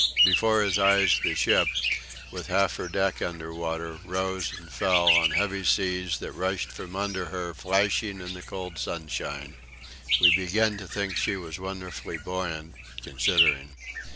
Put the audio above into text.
Before his eyes the ship, with half her deck below water, rose and fell on heavy seas that rushed from under her flashing in the cold sunshine. We began to think she was wonderfully buoyant considering.